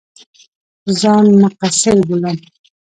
ځان مقصِر بولم.